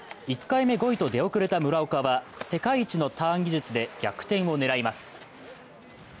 １回目５位と出遅れた村岡は世界一のターン技術で逆転を狙います。